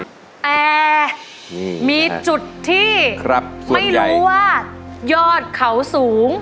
แต่มีจุดที่ไม่รู้ว่ายอดเขาสูง